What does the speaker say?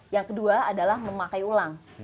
yang kedua adalah memakai ulang